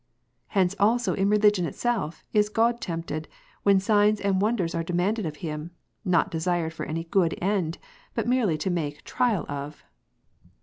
Hence also in religion itself, is God tempted, when signs and wonders are demanded of Him, not desired for any good end, but merely to make trial of.